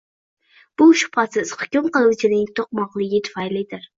Bu shubhasiz, hukm qiluvchilarning to’mtoqligi tufaylidir.